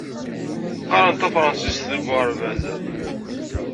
Qqareɣ tafṛensist deg uɣerbaz.